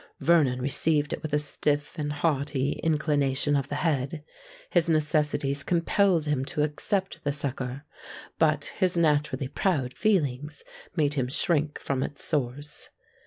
Vernon received it with a stiff and haughty inclination of the head:—his necessities compelled him to accept the succour; but his naturally proud feelings made him shrink from its source.